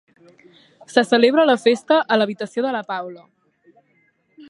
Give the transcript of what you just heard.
Se celebra la festa a l'habitació de la Paula.